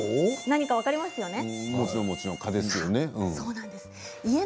何か分かりますよね？